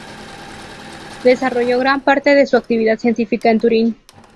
Desarrolló gran parte de su actividad científica en Turín.